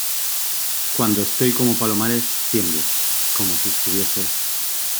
cuando estoy como Palomares, tiemblo ; como si estuviese